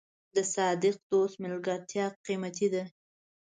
د صادق دوست ملګرتیا قیمتي ده.